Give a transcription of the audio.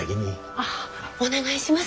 ああお願いします。